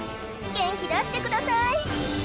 元気出してください